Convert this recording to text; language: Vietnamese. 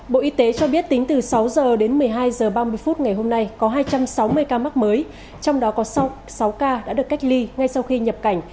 bộ y tế cho biết tính từ sáu h đến một mươi hai h ba mươi phút ngày hôm nay có hai trăm sáu mươi ca mắc mới trong đó có sáu ca đã được cách ly ngay sau khi nhập cảnh